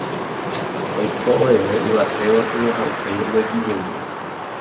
oiko oveve yvate gotyo ha upéi oguejyjey